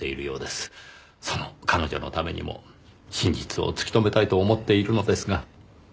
その彼女のためにも真実を突き止めたいと思っているのですが。